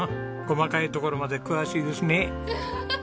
細かいところまで詳しいですね。